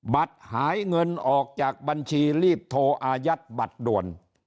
หายเงินออกจากบัญชีรีบโทรอายัดบัตรด่วน